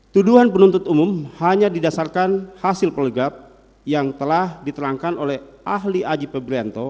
tuduhan penuntut umum hanya didasarkan hasil poligap yang telah diterangkan oleh ahli aji pebrianto